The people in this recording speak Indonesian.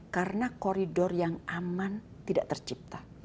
karena koridor yang aman tidak tercipta